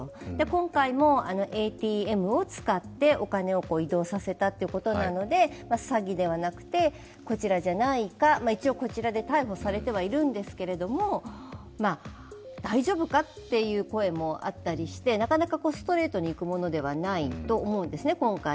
今回もＡＴＭを使って、お金を移動させたということなので詐欺ではなくてこちらじゃないか、一応こちらで逮捕されてはいるんですけれども、大丈夫かという声もあったりしてなかなかストレートにいくものではないと思うんですね、今回。